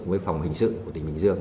với phòng hình sự của tỉnh bình dương